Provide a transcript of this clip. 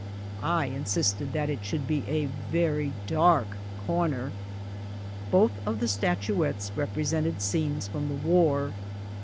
I insisted that it should be a very dark corner! Both of the statu ettes represented scenes from the war.